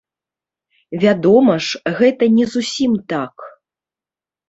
Вядома ж, гэта не зусім так.